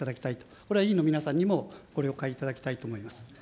これは委員会の皆さんにもご了解いただきたいと思います。